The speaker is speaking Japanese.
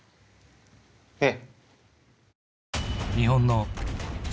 ええ。